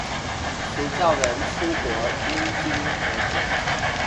持照人出國應經核准